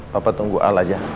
papa tunggu al aja